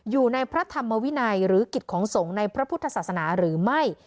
อยู่ในพระธรรมวินัยหรือกิจของสงฆ์ในพระพุทธศาสนาหรือไม่